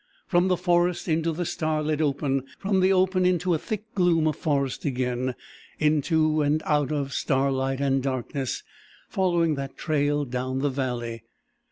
From the forest into the starlit open; from the open into the thick gloom of forest again into and out of starlight and darkness, following that trail down the valley.